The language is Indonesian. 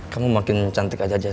kamu makin cantik aja